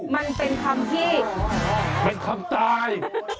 มันเป็นคำที่เป็นคำตาย